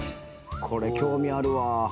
これ、興味あるわ。